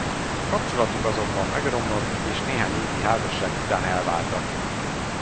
Kapcsolatuk azonban megromlott és néhány évi házasság után elváltak.